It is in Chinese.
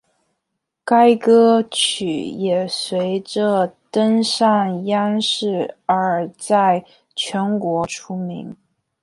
该歌曲也随着登上央视而在全国出名。